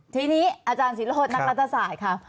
ทีนี้อาจารย์ศิษย์ลดนักรัฐศาสตร์ครับ